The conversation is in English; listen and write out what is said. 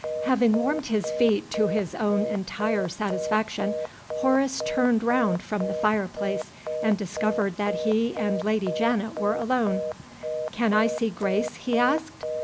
HAVING warmed his feet to his own entire satisfaction, Horace turned round from the fireplace, and discovered that he and Lady Janet were alone. "Can I see Grace?" he asked.